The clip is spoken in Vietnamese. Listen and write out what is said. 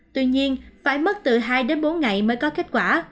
tuy nhiên phải mất từ hai đến bốn ngày mới có kết quả